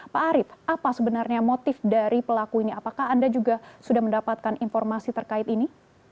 pak arief apa sebenarnya motif dari pelaku ini apakah anda juga sudah mendapatkan informasi terkait ini